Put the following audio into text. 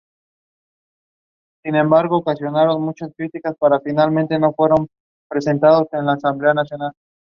Las organizaciones regionales existen en Berlín, Baja Sajonia, Hesse y Renania del Norte-Westfalia.